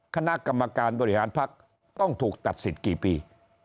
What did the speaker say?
คณะกรรมการบริหารภักดิ์ต้องถูกตัดสิทธิ์กี่ปี